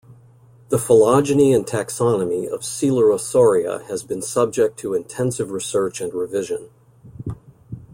The phylogeny and taxonomy of Coelurosauria has been subject to intensive research and revision.